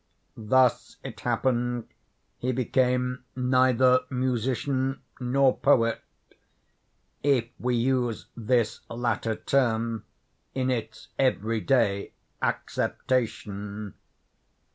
Thus it happened he became neither musician nor poet—if we use this latter term in its every day acceptation.